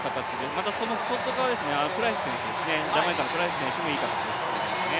またその外側ですねジャマイカのプライス選手もいい形で進んでいますね。